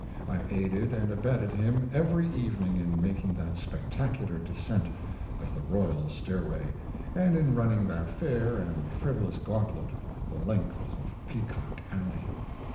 I aided and abetted him every evening in making that spectacular descent of the royal stairway, and in running that fair and frivolous gantlet the length of "Peacock Alley."